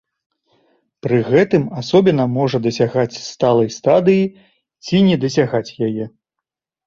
Пры гэтым асобіна можа дасягаць сталай стадыі ці не дасягаць яе.